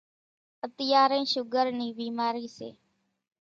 اتيارين شُگر نِي ڀيمارِي سي۔